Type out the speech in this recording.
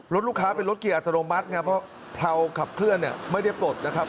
ลูกค้าเป็นรถเกียร์อัตโนมัติไงเพราะเพราขับเคลื่อนเนี่ยไม่ได้ปลดนะครับ